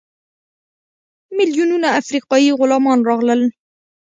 میلیونونه افریقایي غلامان راغلل.